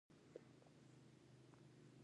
شکردرې انګور ښه دي؟